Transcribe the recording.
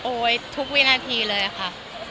โอ๊ยทุกวินาทีเลยค่ะ